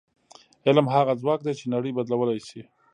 علم هغه ځواک دی چې نړۍ بدلولی شي.